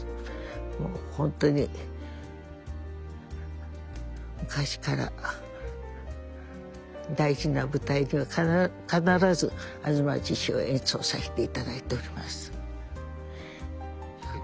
もう本当に昔から大事な舞台では必ず「吾妻獅子」を演奏させていただいております。